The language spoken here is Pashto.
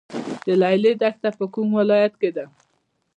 د لیلی دښته په کوم ولایت کې ده؟